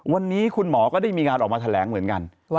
วันนี้คุณหมอก็ได้มีการออกมาแถลงเหมือนกัน